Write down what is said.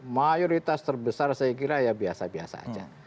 mayoritas terbesar saya kira ya biasa biasa aja